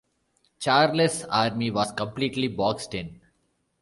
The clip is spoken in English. Charles' army was completely boxed in.